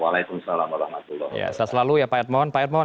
waalaikumsalam warahmatullahi wabarakatuh